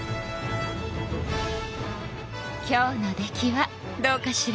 今日の出来はどうかしら？